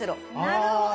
なるほど。